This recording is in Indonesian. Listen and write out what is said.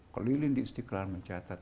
keliling di istiqlal mencatat